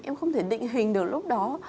em không thể định hình được lúc đó